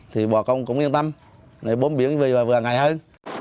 thì bọn công cũng yên tâm để bốm biển về vừa ngày hơn